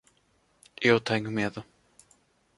Eu tenho medo.